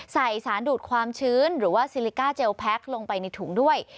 สารดูดความชื้นหรือว่าซิลิกาเจลแพ็คลงไปในถุงด้วย